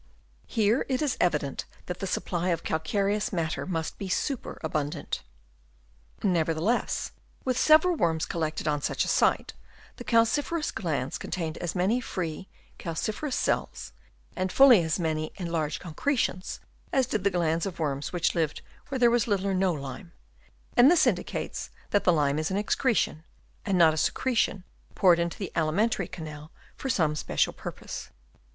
Here it is evident that the supply of cal careous matter must be superabundant. Nevertheless with several worms collected on such a site, the calciferous glands contained as many free calciferous cells, and fully as many and large concretions, as did the glands of worms which lived where there was little or no lime ; and this indicates that the lime is an excretion, and not a secretion poured into the alimentary canal for some special purpose.